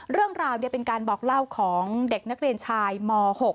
เรื่องราวเป็นการบอกเล่าของเด็กนักเรียนชายม๖